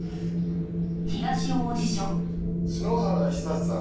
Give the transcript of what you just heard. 篠原久志さん